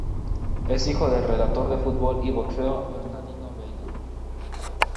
Es hijo del relator de fútbol y boxeo Bernardino Veiga.